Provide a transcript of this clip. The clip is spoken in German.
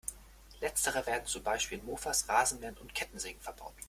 Letztere werden zum Beispiel in Mofas, Rasenmähern und Kettensägen verbaut.